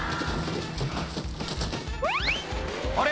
「あれ？